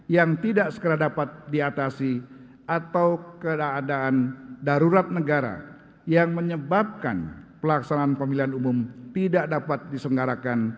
yang tidak segera dapat diatasi atau keadaan darurat negara yang menyebabkan pelaksanaan pemilihan umum tidak dapat disenggarakan